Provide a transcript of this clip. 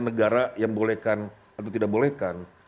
negara yang bolehkan atau tidak bolehkan